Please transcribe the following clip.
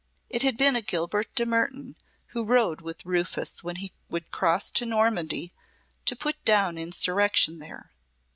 It had been a Guilbert de Mertoun who rode with Rufus when he would cross to Normandy to put down insurrection there.